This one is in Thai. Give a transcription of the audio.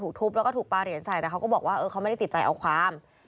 ทุบแล้วก็ถูกปลาเหรียญใส่แต่เขาก็บอกว่าเขาไม่ได้ติดใจเอาความ